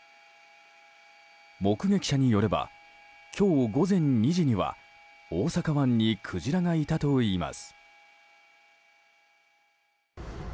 目撃者によれば今日午前２時には大阪湾にクジラがいたといいます。